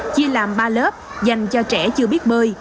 chia làm ba lớp dành cho trẻ chưa biết bơi